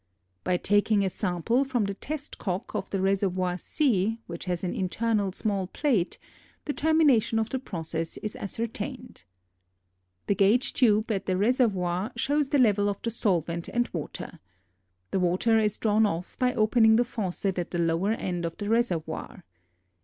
By taking a sample from the test cock of the reservoir C which has an internal small plate, the termination of the process is ascertained. The gauge tube at the reservoir shows the level of the solvent and water. The water is drawn off by opening the faucet at the lower end of the reservoir.